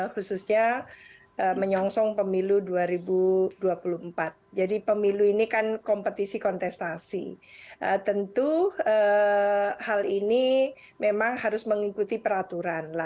kami juga berpikir bahwa kita harus mengikuti peraturan